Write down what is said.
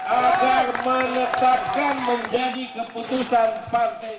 agar menetapkan menjadi keputusan partai